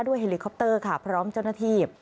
ด้วยเฮลิคอปเตอร์พร้อมเจ้าหน้าที่